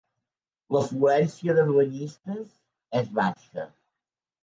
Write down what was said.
L'afluència de banyistes és baixa.